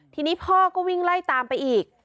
ทีนี้พ่อก็วิ่งไล่ตามไปอีก